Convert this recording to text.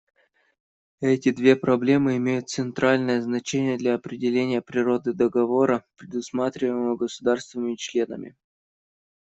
Эти две проблемы имеют центральное значение для определения природы договора, предусматриваемого государствами-членами.